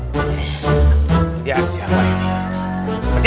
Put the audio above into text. hadiah siapa ini